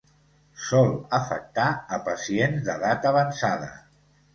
Sol afectar a pacients d'edat avançada.